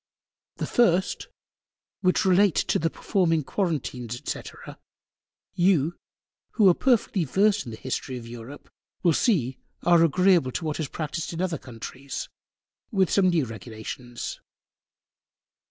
The first, which relate to the performing Quarentines, &c. You, who are perfectly versed in the History of Europe, will see are agreable to what is practised in other Countries, with some new Regulations.